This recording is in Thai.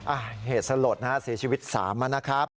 อ่ะเหตุสลดนะฮะเสียชีวิต๓นะครับ